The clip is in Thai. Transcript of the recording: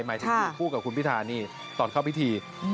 หมายถึงคู่กับคุณพิธานี่ตอนเข้าพิธี